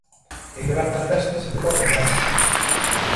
Hei levarte á festa se te portas ben